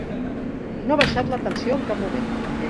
No ha baixat la tensió en cap moment.